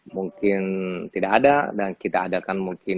mungkin tidak ada dan kita adakan mungkin